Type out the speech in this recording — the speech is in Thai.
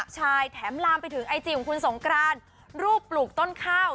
ใช่ถึงลามไปถึงใต้จิขุมคุณสงครานรูปถูกต้นข้าว